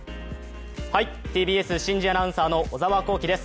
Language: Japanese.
ＴＢＳ新人アナウンサーの小沢光葵です。